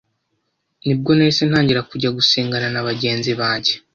nibwo nahise ntangira kujya gusengana na bagenzi banjye